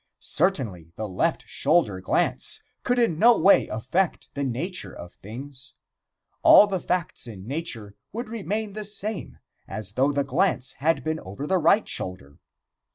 Certainly the left shoulder glance could in no way affect the nature of things. All the facts in nature would remain the same as though the glance had been over the right shoulder.